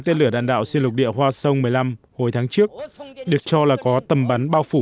tên lửa đạn đạo xuyên lục địa hoa sông một mươi năm hồi tháng trước được cho là có tầm bắn bao phủ